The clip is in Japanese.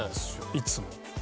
いつも。